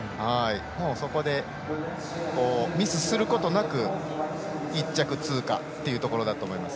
そこで、ミスすることなく１着通過というところだと思います。